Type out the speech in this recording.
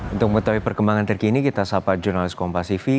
untuk mengetahui perkembangan terkini kita sahabat jurnalis kompasifi